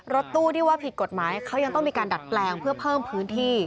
รถตู้ที่ว่าผิดกฎหมายเขายังต้องมีการดัดแปลงเพื่อเพิ่มพื้นที่